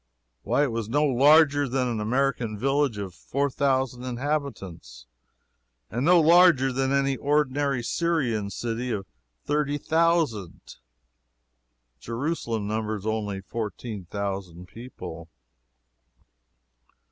Why, it was no larger than an American village of four thousand inhabitants, and no larger than an ordinary Syrian city of thirty thousand. Jerusalem numbers only fourteen thousand people.